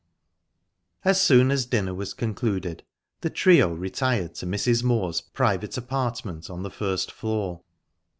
As soon as dinner was concluded, the trio retired to Mrs. Moor's private apartment on the first floor.